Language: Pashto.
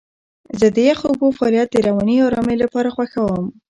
زه د یخو اوبو فعالیت د رواني آرامۍ لپاره خوښوم.